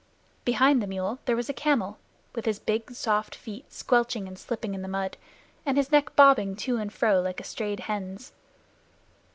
Behind the mule there was a camel, with his big soft feet squelching and slipping in the mud, and his neck bobbing to and fro like a strayed hen's.